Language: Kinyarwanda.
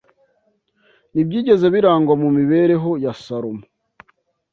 ntibyigeze birangwa mu mibereho ya Salomo